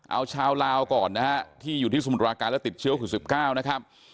เอาชาวลาวก่อนที่อยู่ที่สมุทราการและติดเชื้อคุณสิบเก้านะครับ